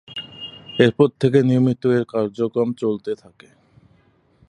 এর পর থেকে নিয়মিত এর কার্যক্রম চলতে থাকে।